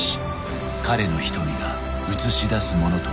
彼の瞳が映し出すものとは？